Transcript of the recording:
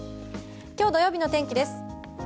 今日土曜日の天気です。